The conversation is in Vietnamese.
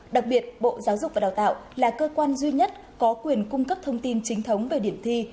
đặc biệt bộ giáo dục và đào tạo là cơ quan duy nhất có quyền cung cấp thông tin chính thống về điểm thi